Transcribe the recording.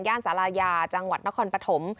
ย่านศาลายาจังหวัดนครปฐม